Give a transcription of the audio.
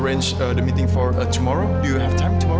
mungkin kita bisa aturkan mesyuarat untuk besok